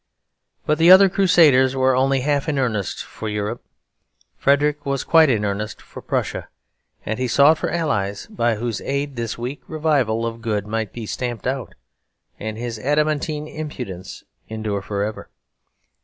But the other Crusaders were only half in earnest for Europe; Frederick was quite in earnest for Prussia; and he sought for allies, by whose aid this weak revival of good might be stamped out, and his adamantine impudence endure for ever.